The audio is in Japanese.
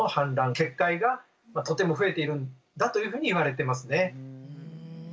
決壊がとても増えているんだというふうにいわれてますね。